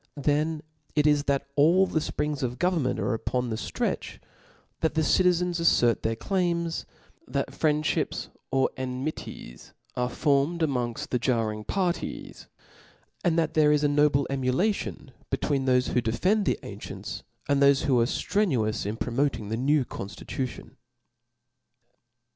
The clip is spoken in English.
Then it is that all the fprings of government are upon the ftretch, that the citizens aiTert their claims, that friendfhips or enmities are formed amongft the jarring parties, and that there is a no* ble emulation between thofe who defend the an cient^ and thofe who are ftrenuous in promoting the new confticution.